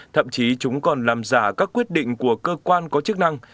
thậm chí chúng còn làm giả các quyết định của cơ quan có chức năng